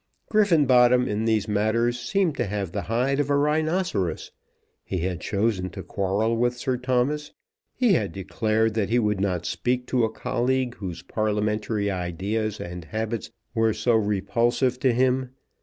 Griffenbottom in these matters seemed to have the hide of a rhinoceros. He had chosen to quarrel with Sir Thomas. He had declared that he would not speak to a colleague whose Parliamentary ideas and habits were so repulsive to him.